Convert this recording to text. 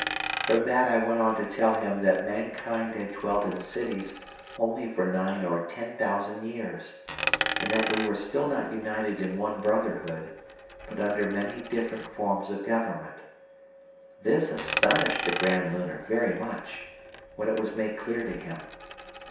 From that I went on to tell him that mankind had dwelt in cities only for nine or ten thousand years, and that we were still not united in one brotherhood, but under many different forms of government. This astonished the Grand Lunar very much, when it was made clear to him.